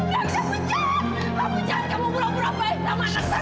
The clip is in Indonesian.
kamu jangan kamu jangan kamu burang burang baik sama anak saya